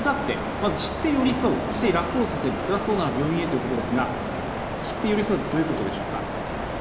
まずは、知って寄り添うそして、楽をさせるつらそうなら病院へということですが知って寄り添うってどういうことでしょうか？